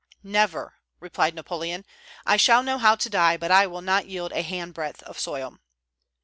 "Never!" replied Napoleon; "I shall know how to die, but I will not yield a handbreadth of soil."